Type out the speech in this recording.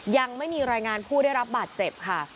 ยังไม่มีรายงานผู้ได้รับบาดเจ็บค่ะ